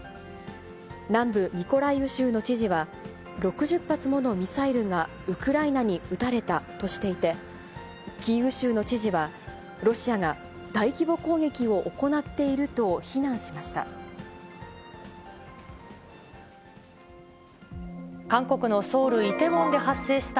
南部ミコライウ州の知事は、６０発ものミサイルがウクライナに撃たれたとしていて、キーウ州の知事は、ロシアが大規模攻撃を行っていると非難しました。